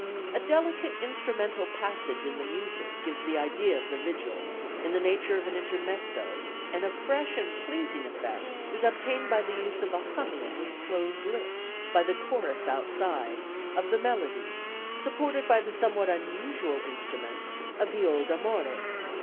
A delicate instrumental passage in the music gives the idea of the vigil, in the nature of an intermezzo, and a fresh and pleasing effect is obtained by the use of a humming with closed lips, by the chorus outside, of the melody, supported by the somewhat unusual instrument, a viol d'amore.